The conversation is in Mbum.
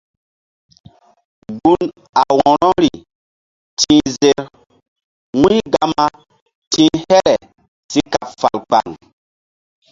Gun a wo̧rori ti̧h zer wu̧y Gama ti̧h here si kaɓ fal kpaŋ.